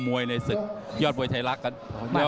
ยอดมวยในศึกยอดมวยไทยรักษ์